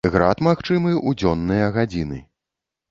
Град магчымы ў дзённыя гадзіны.